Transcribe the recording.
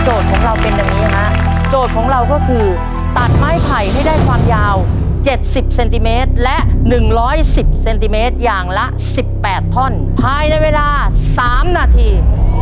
โจทย์ของเราเป็นแบบนี้นะโจทย์ของเราก็คือตัดไม้ไผ่ให้ได้ความยาวเจ็ดสิบเซนติเมตรและหนึ่งร้อยสิบเซนติเมตรอย่างละสิบแปดท่อนภายในเวลาสามนาที